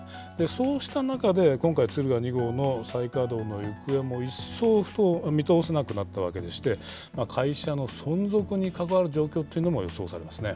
そうした中で、今回、敦賀２号の再稼働の行方も一層見通せなくなったわけでして、会社の存続に関わる状況っていうのも予想されますね。